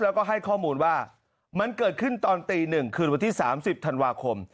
แล้วก็ให้ข้อมูลว่ามันเกิดขึ้นตอนตี๑คืนวันที่๓๐ธันวาคม